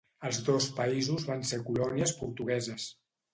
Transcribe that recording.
Els dos països van ser colònies portugueses.